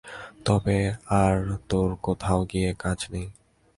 তবে আর তোর কোথাও গিয়ে কাজ নেই।